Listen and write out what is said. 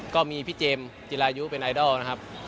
ก็มีพี่เจมส์จิรายุเป็นไอดอลนะครับ